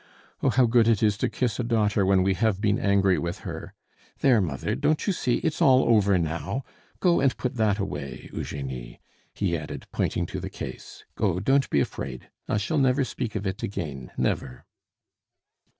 "Oh, how good it is to kiss a daughter when we have been angry with her! There, mother, don't you see it's all over now? Go and put that away, Eugenie," he added, pointing to the case. "Go, don't be afraid! I shall never speak of it again, never!"